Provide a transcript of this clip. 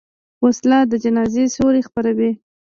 وسله د جنازې سیوري خپروي